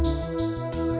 tidak bisa diandalkan